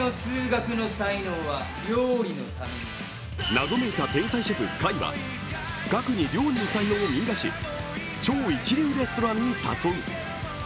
謎めいた天才シェフ・海は岳に料理の才能を見いだし、超一流レストランに誘う。